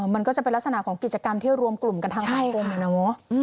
มันก็จะเป็นลักษณะของกิจกรรมที่จะรวมกลุ่มกันทั้งหลายกลุ่มอย่างนั้น